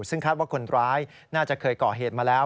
ซึ่งคาดว่าคนร้ายน่าจะเคยก่อเหตุมาแล้ว